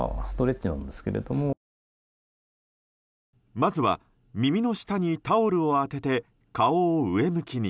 まずは耳の下にタオルを当てて顔を上向きに。